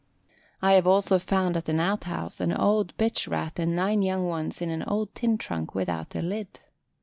I have also found at an out house an old bitch Rat and nine young ones in an old tin trunk without a lid.